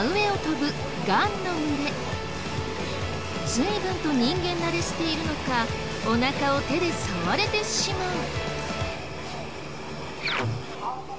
随分と人間慣れしているのかおなかを手で触れてしまう。